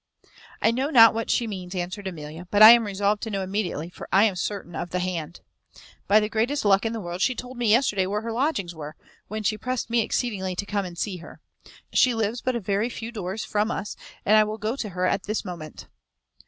"I know not what she means," answered Amelia, "but I am resolved to know immediately, for I am certain of the hand. By the greatest luck in the world, she told me yesterday where her lodgings were, when she pressed me exceedingly to come and see her. She lives but a very few doors from us, and I will go to her this moment."